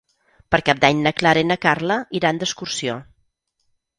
Per Cap d'Any na Clara i na Carla iran d'excursió.